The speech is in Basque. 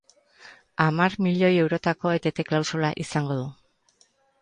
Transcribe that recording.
Hamar milioi euroko etete-klausula izango du.